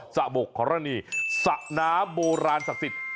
สะบกฮรณีสระน้ำโบราณศักดิ์สิทธิ์